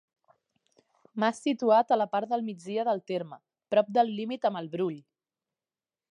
Mas situat a la part del migdia del terme, prop del límit amb el Brull.